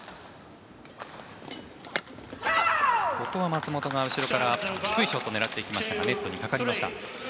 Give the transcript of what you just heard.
松本が後ろから低いショットを狙っていきましたがネットにかかりました。